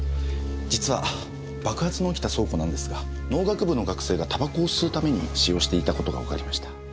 実は爆発の起きた倉庫なんですが農学部の学生が煙草を吸うために使用していたことがわかりました。